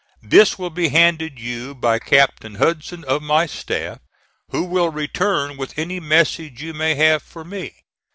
This will be handed you by Captain Hudson, of my staff, who will return with any message you may have for me.